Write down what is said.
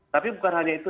tapi bukan hanya itu